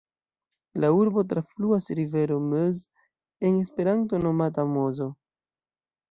La urbon trafluas rivero Meuse, en Esperanto nomata Mozo.